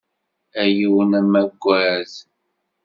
A yiwen amagad!